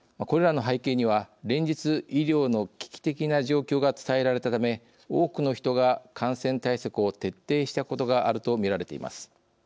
これらの背景には連日、医療の危機的な状況が伝えられたため多くの人が感染対策を徹底したことがあるとみられています。